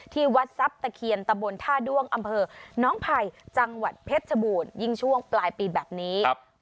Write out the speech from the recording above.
ที่วัดทรัพย์ตะเคียนตะบนท่าด้วงอำเภอน้องไผ่จังหวัดเพชรชบูรณ์ยิ่งช่วงปลายปีแบบนี้